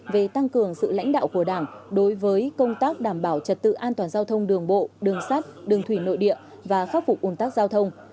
về tăng cường sự lãnh đạo của đảng đối với công tác đảm bảo trật tự an toàn giao thông đường bộ đường sắt đường thủy nội địa và khắc phục ồn tắc giao thông